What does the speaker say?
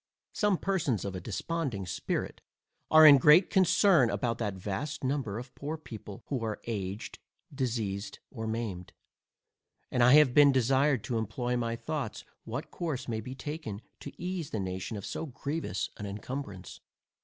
Some persons of a desponding spirit are in great concern about that vast number of poor people, who are aged, diseased, or maimed; and I have been desired to employ my thoughts what course may be taken, to ease the nation of so grievous an incumbrance.